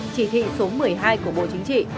chỉ thị số một mươi hai của bộ chính trị